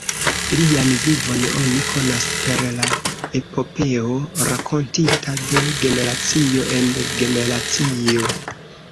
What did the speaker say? Lian vivon oni konas per la epopeo rakontita de generacio en generacio.